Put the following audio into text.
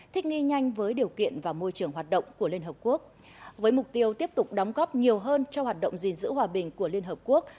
thích nghi nhanh với điều kiện và môi trường hoạt động của liên hợp quốc với mục tiêu tiếp tục đóng góp nhiều hơn cho hoạt động gìn giữ hòa bình của liên hợp quốc